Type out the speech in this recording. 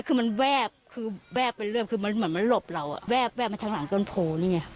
คือมันแวบคือแวบเป็นเรื่องคือมันเหมือนมันหลบเราอ่ะแวบแวบมาทางหลังเกินโผล่เนี้ย